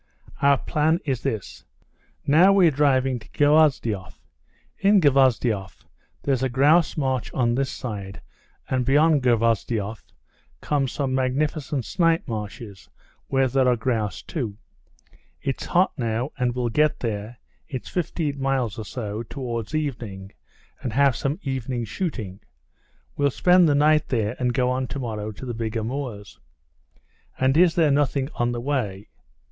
"Our plan is this. Now we're driving to Gvozdyov. In Gvozdyov there's a grouse marsh on this side, and beyond Gvozdyov come some magnificent snipe marshes where there are grouse too. It's hot now, and we'll get there—it's fifteen miles or so—towards evening and have some evening shooting; we'll spend the night there and go on tomorrow to the bigger moors." "And is there nothing on the way?"